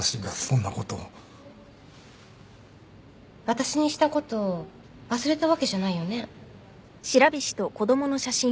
私にしたこと忘れたわけじゃないよね？